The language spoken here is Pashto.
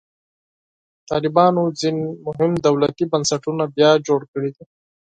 طالبانو ځینې مهم دولتي بنسټونه بیا جوړ کړي دي.